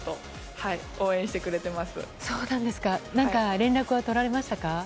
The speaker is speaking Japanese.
連絡は取られましたか？